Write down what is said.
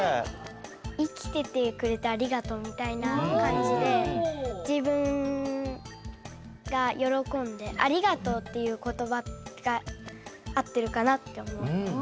いきててくれてありがとうみたいなかんじでじぶんがよろこんでありがとうっていうことばがあってるかなっておもう。